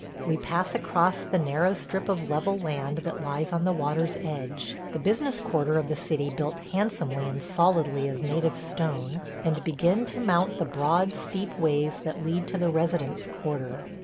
We pass across the narrow strip of level land that lies on the water's edge – the business quarter of the city built handsomely and solidly of native stone – and begin to mount the broad steep ways that lead to the residence quarter.